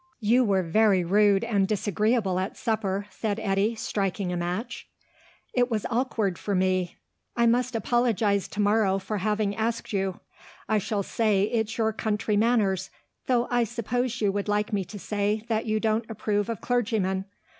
"You were very rude and disagreeable at supper," said Eddy, striking a match. "It was awkward for me. I must apologise to morrow for having asked you. I shall say it's your country manners, though I suppose you would like me to say that you don't approve of clergymen....